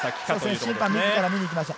審判みずから、見に行きました。